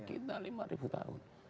kita lima tahun